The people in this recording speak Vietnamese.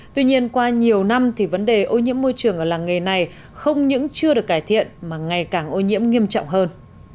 tuy nhiên qua nhiều năm thì vấn đề ô nhiễm môi trường ở làng nghề này không những chưa được cải thiện mà ngày càng ô nhiễm nghiêm trọng hơn